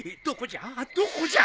どこじゃ？